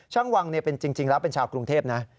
วังจริงแล้วเป็นชาวกรุงเทพนะ